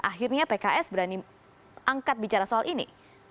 akhirnya pks berani angkat bicara soal ini